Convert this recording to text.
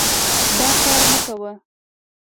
دا کار مه کوه.